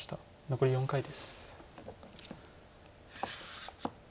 残り４回です。